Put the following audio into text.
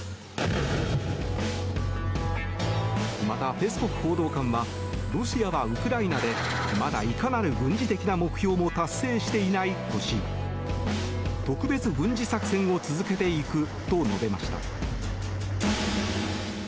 また、ペスコフ報道官はロシアはウクライナでまだいかなる軍事的な目標も達成していないとし特別軍事作戦を続けていくと述べました。